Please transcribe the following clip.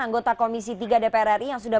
anggota komisi tiga dpr ri yang sudah